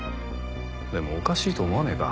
でもおかしいと思わねえか？